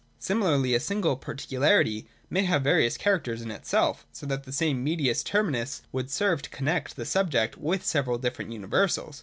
Similarly a single par ticularity may have various characters in itself, so that the same fneditis terminus would serve to connect the subject with several different universals.